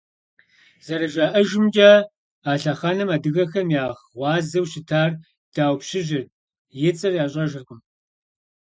Зэрыжаӏэжымкӏэ, а лъэхъэнэм адыгэхэм я гъуазэу щытар Дау пщыжьырт, и цӏэр ящӏэжыркъым.